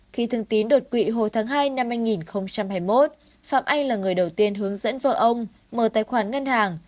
khi thường tín đột quỵ hồi tháng hai năm hai nghìn hai mươi một phạm anh là người đầu tiên hướng dẫn vợ ông mở tài khoản ngân hàng